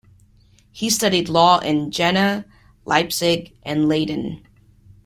He studied law in Jena, Leipzig, and Leyden.